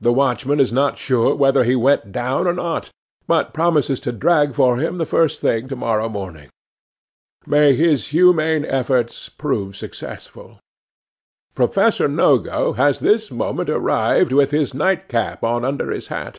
The watchman is not sure whether he went down or not, but promises to drag for him the first thing to morrow morning. May his humane efforts prove successful! 'Professor Nogo has this moment arrived with his nightcap on under his hat.